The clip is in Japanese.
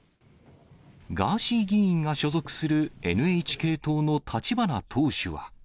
ガーシー議員が所属するＮＨＫ党の立花党首は。